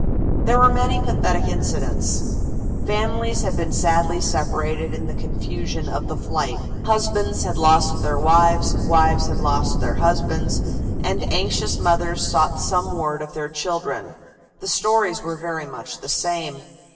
There were many pathetic incidents. Families had been sadly separated in the confusion of the flight. Husbands had lost their wives wives had lost their husbands, and anxious mothers sought some word of their children the stories were very much the same.